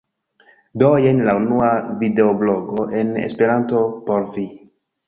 Do, jen la unua videoblogo en Esperanto. Por vi.